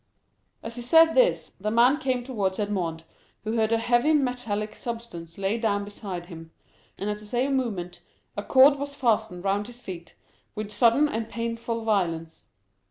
As he said this, the man came towards Edmond, who heard a heavy metallic substance laid down beside him, and at the same moment a cord was fastened round his feet with sudden and painful violence.